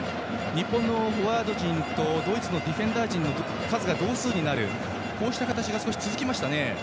日本のフォワード陣とドイツのディフェンダー陣の数が同数になる形が続きましたね。